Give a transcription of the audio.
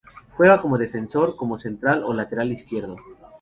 Juega como defensor, como central o lateral izquierdo.